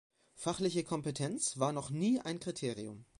Fachliche Kompetenz war noch nie ein Kriterium.